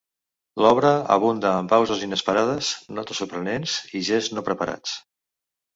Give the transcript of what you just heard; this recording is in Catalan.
L'obra abunda en pauses inesperades, notes sorprenents i gests no preparats.